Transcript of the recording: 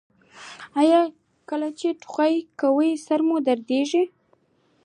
ایا کله چې ټوخی کوئ سر مو دردیږي؟